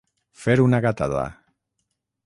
Fer una gatada.